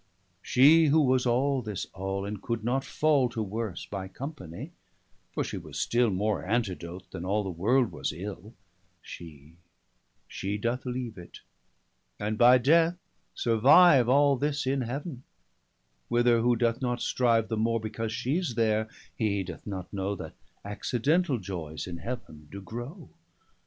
375 She who was all this All, and could not fall To worse, by company, (for she was still More Antidote, then all the world was ill,) Shee, shee doth leave it, and by Death, survive All this, in Heaven; whither who doth not strive 380 The more, because shees there, he doth not know That accidentall joyes in Heaven doe grow.